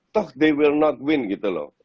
tuh mereka tidak akan menang